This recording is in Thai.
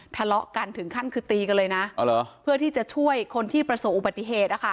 ทะเลาะกันถึงขั้นคือตีกันเลยนะเพื่อที่จะช่วยคนที่ประสบอุบัติเหตุ